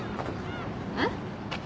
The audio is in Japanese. えっ？